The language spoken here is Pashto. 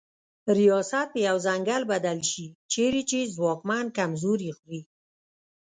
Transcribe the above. ریاست په یو ځنګل بدل سي چیري چي ځواکمن کمزوري خوري